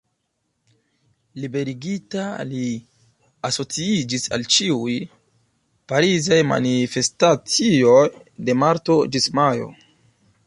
Liberigita li asociiĝis al ĉiuj parizaj manifestacioj de marto ĝis majo.